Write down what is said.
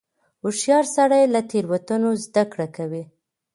هوښیار سړی له تېروتنو زده کړه کوي.